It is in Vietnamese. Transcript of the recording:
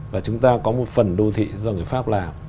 và chúng ta có một phần đô thị do người pháp làm